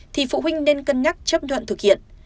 thì phụ huynh nên cân nhắc chấp thuận thực hiện